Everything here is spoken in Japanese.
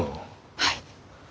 はい。